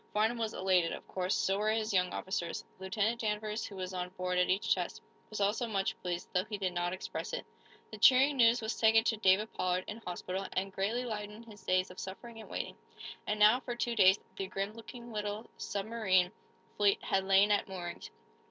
Farnum was elated, of course. So were his young officers. Lieutenant Danvers, who was on board at each test, was also much pleased, though he did not express it. The cheering news was taken to David Pollard, in hospital, and greatly lightened his days of suffering and waiting. And now, for two days, the grim looking little submarine fleet had lain at moorings.